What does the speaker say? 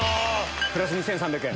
プラス２３００円。